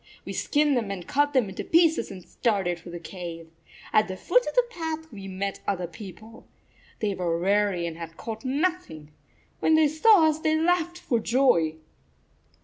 We skinned them and cut them into pieces and started for the cave. At the foot of the path we met the 38 other people. They were weary and had caught nothing. When they saw us they laughed for joy."